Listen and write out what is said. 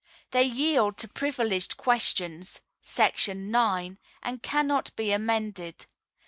They yield to Privileged Questions [§ 9], and cannot be amended.